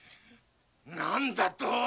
何だと！？